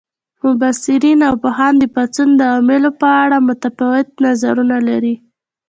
مبصرین او پوهان د پاڅون د عواملو په اړه متفاوت نظرونه لري.